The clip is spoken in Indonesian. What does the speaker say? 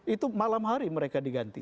itu malam hari mereka diganti